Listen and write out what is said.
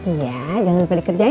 iya jangan lupa dikerjain ya